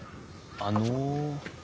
あの。